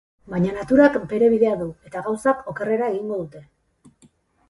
Baina naturak bere bidea du eta gauzak okerrera egingo dute.